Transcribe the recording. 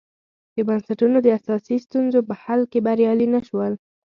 د بنسټونو د اساسي ستونزو په حل کې بریالي نه شول.